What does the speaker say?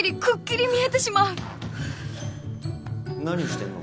何してんの？